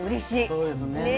そうですね。